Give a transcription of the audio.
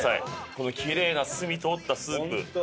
このきれいな澄み通ったスープ。